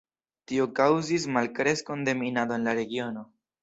Tio kaŭzis malkreskon de minado en la regiono.